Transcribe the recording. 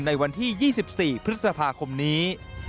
ในวันที่๒๔พฤษภาคมนี้